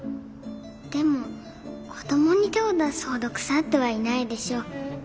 でも子どもに手を出すほど腐ってはいないでしょう。